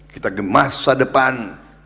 kita masa depan